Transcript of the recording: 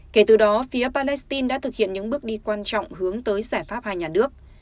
kể từ đó phía palestine đã thực hiện những bước đi quan trọng hướng tới giải pháp hai nhà nước